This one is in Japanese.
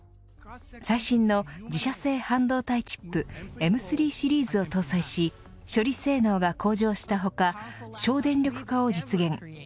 最新の自社製半導体チップＭ３シリーズを搭載し処理性能が向上した他省電力化を実現。